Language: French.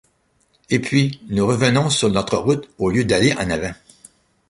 Et puis, nous revenons sur notre route, au lieu d’aller en avant !